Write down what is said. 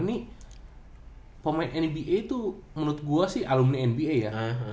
ini pemain nba itu menurut gue sih alumni nba ya